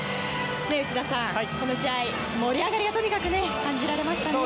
内田さん、この試合とにかく盛り上がりが感じられましたね。